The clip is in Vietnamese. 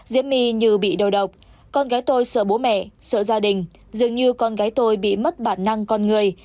từ bị đau độc con gái tôi sợ bố mẹ sợ gia đình dường như con gái tôi bị mất bản năng con người